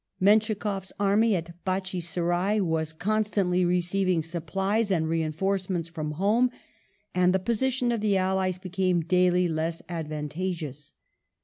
Menschikoffs army at Batchiserai ^^^^^ was constantly receiving supplies and reinforcements from home, and the position of the allies became daily less advantageous.